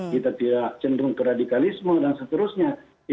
kita tidak cenderung ke radikalisme dan seterusnya